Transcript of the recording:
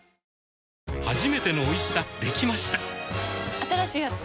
新しいやつ？